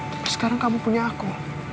tapi sekarang kamu punya aku